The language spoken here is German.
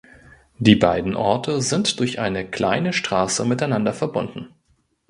Die beiden Orte sind durch eine kleine Straße miteinander verbunden.